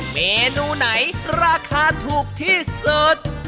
เมนูไหนราคาถูกที่สุด